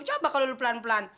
coba kalau pelan pelan